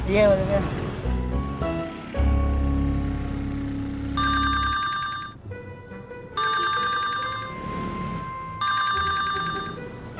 iya pak gojak